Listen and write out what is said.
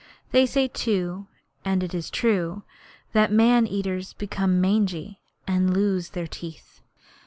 They say too and it is true that man eaters become mangy, and lose their teeth.